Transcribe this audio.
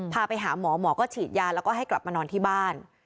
พาไปหาหมอหมอก็ฉีดยาแล้วก็ให้กลับมานอนที่บ้าน